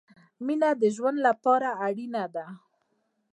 مينه د ژوند له پاره اړينه ده